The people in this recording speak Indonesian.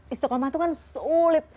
istiqomah itu kan sulit